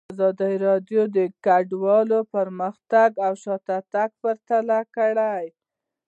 ازادي راډیو د کډوال پرمختګ او شاتګ پرتله کړی.